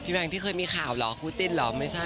แหวงที่เคยมีข่าวเหรอคู่จิ้นเหรอไม่ใช่